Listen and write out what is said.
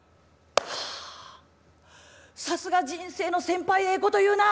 「あさすが人生の先輩ええこと言うな！